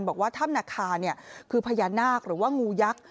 บอกว่าถ้ำนาคาคือพญานาคหรือว่างูยักษ์